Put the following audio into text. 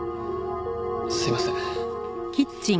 すいません。